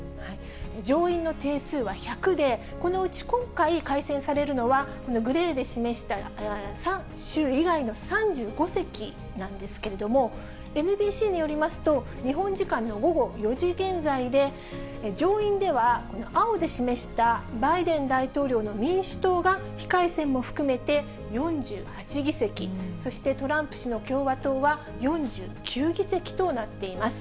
上院の定数は１００で、このうち今回改選されるのは、このグレーで示した３州以外の３５席なんですけれども、ＮＢＣによりますと、日本時間の午後４時現在で、上院では、この青で示したバイデン大統領の民主党が非改選も含めて４８議席、そしてトランプ氏の共和党は４９議席となっています。